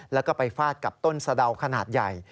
แล้วก็ไปฟาดกับต้นสะดาวขนาดใหญ่